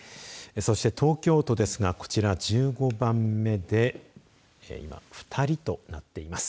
そして東京都ですがこちら１５番目で今、２人となっています。